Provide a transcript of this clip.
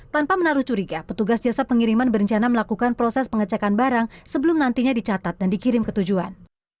tanpa menaruh curiga petugas jasa pengiriman berencana melakukan proses pengecekan barang sebelum nantinya dicatat dan dikirim ke tujuan